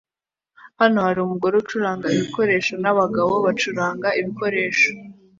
Hano hari umugore ucuranga igikoresho nabagabo bacuranga ibikoresho